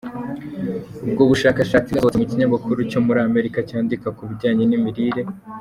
Ubwo bushakashatsi bwasohotse mu kinyamakuru cyo muri Amerika cyandika ku bijyanye n’imirire.